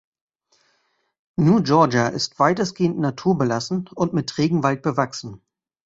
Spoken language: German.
New Georgia ist weitestgehend naturbelassen und mit Regenwald bewachsen.